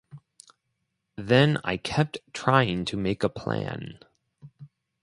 Then I kept trying to make a plan.